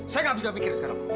pak apa yang kita lakukan ini